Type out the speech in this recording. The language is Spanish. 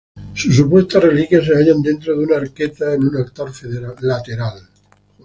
Sus supuestas reliquias se hallan dentro de una arqueta, en un altar lateral.